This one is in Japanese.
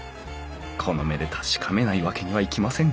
この目で確かめないわけにはいきません